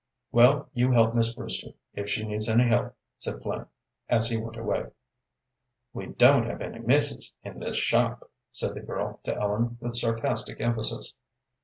"Well, you help Miss Brewster, if she needs any help," said Flynn, as he went away. "We don't have any misses in this shop," said the girl to Ellen, with sarcastic emphasis.